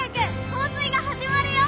放水が始まるよ！